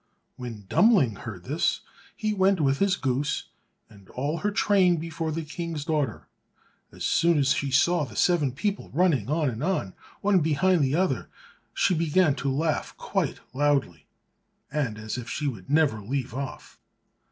When Dummling heard this, he went with his goose and all her train before the King's daughter, and as soon as she saw the seven people running on and on, one behind the other, she began to laugh quite loudly, and as if she would never leave off.